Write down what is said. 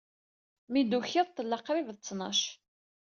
Mi d-tukiḍ, tella qrib d ttnac.